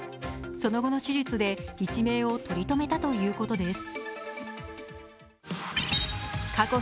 その後の手術で一命を取りとめたということです。